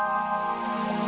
aku terlalu berharga